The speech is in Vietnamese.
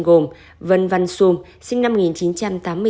gồm vân văn xuân sinh năm